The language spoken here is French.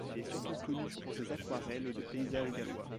Il est surtout connu pour ses aquarelles de paysages gallois.